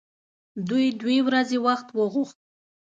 دوی دوې ورځې وخت وغوښت.